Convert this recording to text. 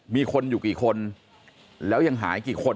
มีคนอยู่กี่คนแล้วยังหายกี่คน